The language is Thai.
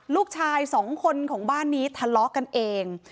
ลูกชายสองคนของบ้านนี้ทะเลาะกันเอง